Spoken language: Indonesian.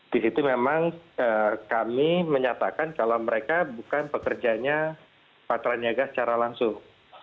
di situ memang kami menyatakan kalau mereka bukan pekerjanya patraniaga secara langsung